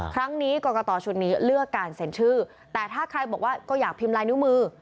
ครั้งนี้กรกตชุดนี้เลือกการเซ็นชื่อแต่ถ้าใครบอกว่าก็อยากพิมพ์ลายนิ้วมือ